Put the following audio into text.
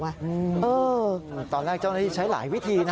ตอนแรกเจ้าหน้าที่ใช้หลายวิธีนะ